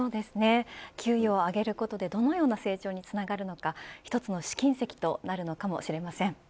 給与を上げることでどのような成長につながるのか一つの試金石となるかもしれません。